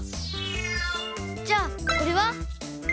じゃこれは？